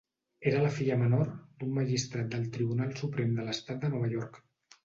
Era la filla menor d'un magistrat del Tribunal Suprem de l'estat de Nova York.